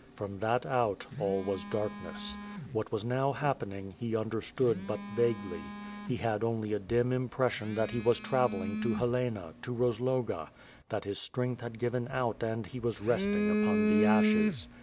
From that out, all was darkness. What Vi^as now happening, he understood but vaguely; he had only a dim impression that he was travelling to Helena, to Rozloga; that his strength had given out and he was resting upon the ashes.